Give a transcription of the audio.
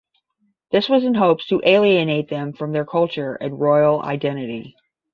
This was in hopes to alienate them from their culture and royal identity.